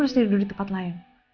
kenapa kamu harus tidur di tempat lain